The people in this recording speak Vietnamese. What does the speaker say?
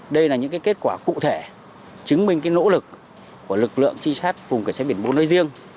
đây là những kết quả cụ thể chứng minh nỗ lực của lực lượng trinh sát vùng cảnh sát biển bốn nơi riêng